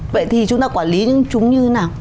vậy thì chúng ta quản lý những chúng như thế nào